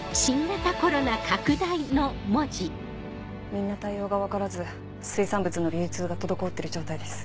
みんな対応が分からず水産物の流通が滞ってる状態です。